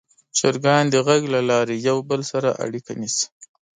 چرګان د غږ له لارې یو بل سره اړیکه نیسي.